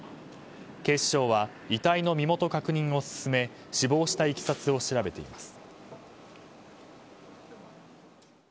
警視庁は遺体の身元確認を進め死亡したいきさつを調べています。